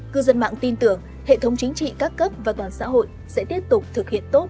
cư dân mạng tin tưởng hệ thống chính trị các cấp và toàn xã hội sẽ tiếp tục thực hiện tốt